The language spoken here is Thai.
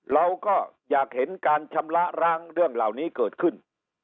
เราก็อยากเห็นการชำระร้างเรื่องเหล่านี้เกิดขึ้น